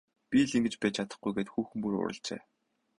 Би л ингэж байж чадахгүй гээд хүүхэн бүр уурлажээ.